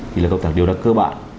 thì là công tác điều đắc cơ bản